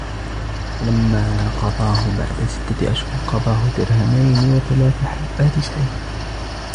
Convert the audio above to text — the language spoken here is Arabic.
فلما قضاه بعد ستة أشهر قضاه درهمين وثلاث حبات شعير